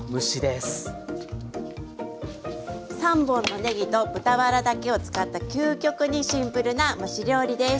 ３本のねぎと豚バラだけを使った究極にシンプルな蒸し料理です。